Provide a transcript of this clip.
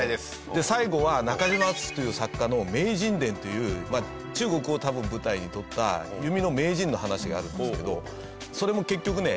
で最後は中島敦という作家の『名人伝』という中国を多分舞台にとった弓の名人の話があるんですけどそれも結局ね